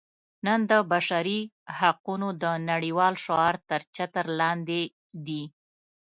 نن د بشري حقونو د نړیوال شعار تر چتر لاندې دي.